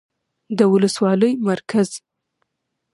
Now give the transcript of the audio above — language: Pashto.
، د ولسوالۍ مرکز